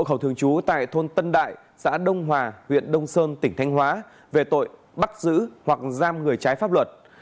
cũng tại thôn tân đại xã đông hòa huyện đông sơn tỉnh thanh hóa về tội bắt giữ hoặc giam người trái pháp luật